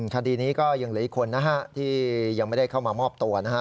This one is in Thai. คดีนี้ก็ยังเหลืออีกคนนะฮะที่ยังไม่ได้เข้ามามอบตัวนะฮะ